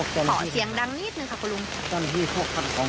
ขอเสียงดังนิดนึงค่ะคุณลุง